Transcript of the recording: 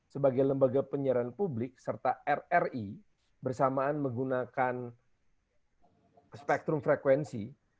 sebagai lembaga penyiaran publik serta rri bersamaan menggunakan spektrum frekuensi